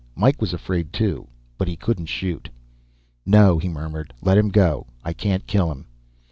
Mike was afraid, too, but he couldn't shoot. "No," he murmured. "Let him go. I can't kill him."